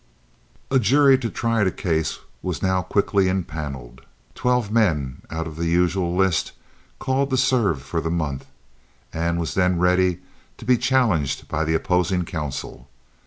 A jury to try the case was now quickly impaneled—twelve men out of the usual list called to serve for the month—and was then ready to be challenged by the opposing counsel.